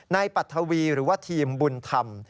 ปัทวีหรือว่าทีมบุญธรรม